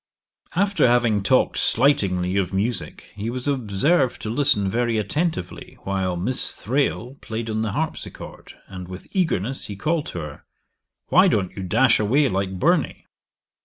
'After having talked slightingly of musick, he was observed to listen very attentively while Miss Thrale played on the harpsichord, and with eagerness he called to her, "Why don't you dash away like Burney?"